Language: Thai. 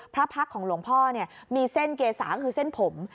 พระพักษ์ของหลวงพ่อมีเส้นเกษาคือเส้นผม